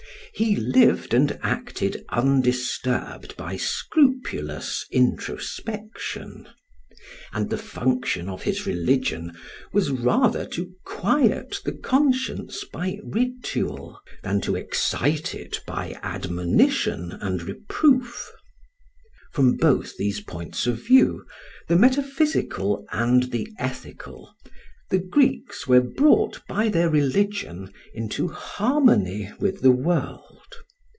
He lived and acted undisturbed by scrupulous introspection; and the function of his religion was rather to quiet the conscience by ritual than to excite it by admonition and reproof. From both these points of view, the metaphysical and the ethical, the Greeks were brought by their religion into harmony with the world.